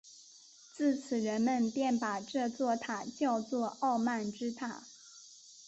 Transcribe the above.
自此人们便把这座塔叫作傲慢之塔。